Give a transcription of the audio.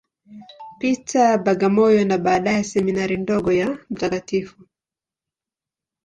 Peter, Bagamoyo, na baadaye Seminari ndogo ya Mt.